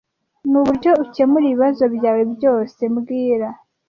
Nuburyo ukemura ibibazo byawe byose mbwira